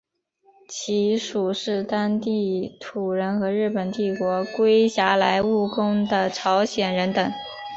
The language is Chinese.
其余是当地土人和日本帝国裹挟来务工的朝鲜人等。